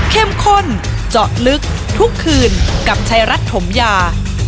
ข้นเจาะลึกทุกคืนกับชายรัฐถมยา